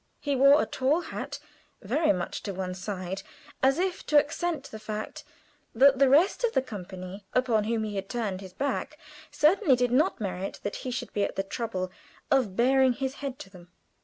He wore a tall hat, very much to one side, as if to accent the fact that the rest of the company, upon whom he had turned his back, certainly did not merit that he should be at the trouble of baring his head to them.